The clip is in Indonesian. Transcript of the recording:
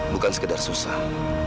bukan sekedar susah